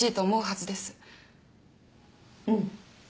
うん。